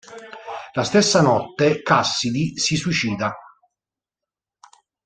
La stessa notte Cassidy si suicida.